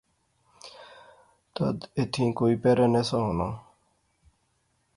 تد ایتھیں کوئی پہرہ نہسا ہونا